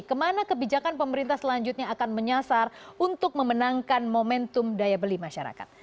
kemana kebijakan pemerintah selanjutnya akan menyasar untuk memenangkan momentum daya beli masyarakat